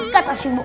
kata si bok